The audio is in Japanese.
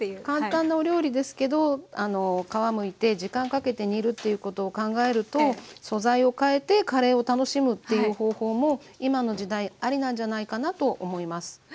簡単なお料理ですけど皮むいて時間かけて煮るっていうことを考えると素材をかえてカレーを楽しむっていう方法も今の時代アリなんじゃないかなと思います。